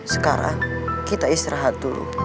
sekarang kita istirahat dulu